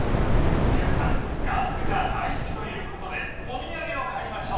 ［研さんラスクが大好きということでお土産を買いましょう］